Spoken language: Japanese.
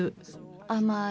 甘い。